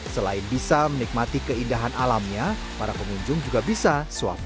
selain bisa menikmati keindahan alamnya para pengunjung juga bisa swap